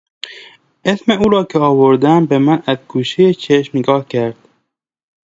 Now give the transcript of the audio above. اسم او را که آوردم به من از گوشهی چشم نگاه کرد.